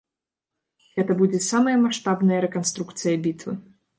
Гэта будзе самая маштабная рэканструкцыя бітвы.